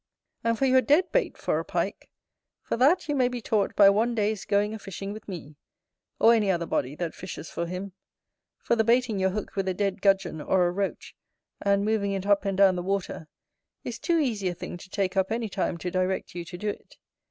And for your DEAD BAIT for a Pike: for that you may be taught by one day's going a fishing with me, or any other body that fishes for him; for the baiting your hook with a dead gudgeon or a roach, and moving it up and down the water, is too easy a thing to take up any time to direct you to do it.